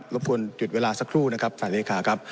บทวนหยุดเวลาสักครู่นะครับท่านเลขาครับ